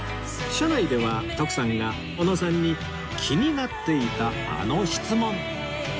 車内では徳さんがおのさんに気になっていたあの質問！